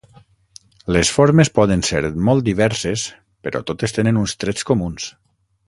Les formes poden ser molt diverses però totes tenen uns trets comuns.